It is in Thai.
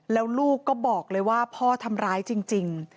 แล้วลูกก็บอกเลยว่าพ่อทำร้ายจริง